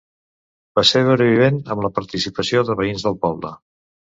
Pessebre vivent amb la participació de veïns del poble.